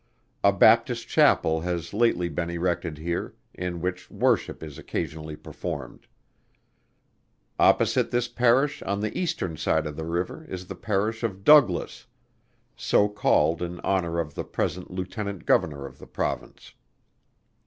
A Baptist Chapel has lately been erected here, in which worship is occasionally performed. Opposite this Parish on the eastern side of the river is the Parish of Douglas, so called in honor of the present Lieutenant Governor of the Province.